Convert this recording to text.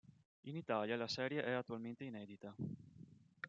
In Italia la serie è attualmente inedita.